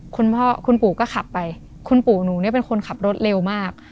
คุณพ่อคุณปู่ก็ขับไปคุณปู่หนูเนี่ยเป็นคนขับรถเร็วมาก